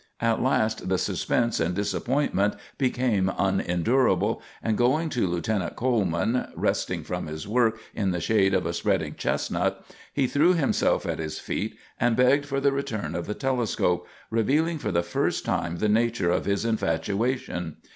At last the suspense and disappointment became unendurable, and going to Lieutenant Coleman, resting from his work in the shade of a spreading chestnut, he threw himself at his feet and begged for the return of the telescope, revealing for the first time the nature of his infatuation.